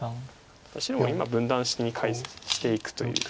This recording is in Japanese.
ただ白も今分断し返していくという。